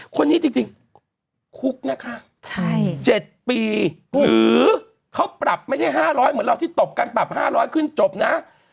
คนนี้จริงคุกนะคะ๗ปีหรือเขาปรับไม่ใช่๕๐๐เหมือนเราที่ตบกันปรับ๕๐๐ขึ้นจบนะ